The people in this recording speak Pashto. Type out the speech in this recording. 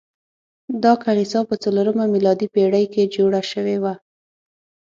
دا کلیسا په څلورمه میلادي پیړۍ کې جوړه شوې وه.